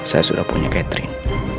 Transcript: sekarang saya sudah punya catherine